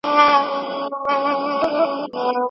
کاشکې ما خپله رخصتي په سمه توګه تېره کړې وای.